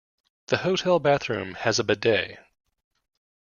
The hotel bathroom has a bidet.